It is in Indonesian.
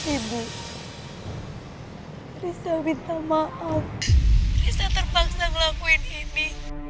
ibu risa minta maaf risa terpaksa ngelakuin ini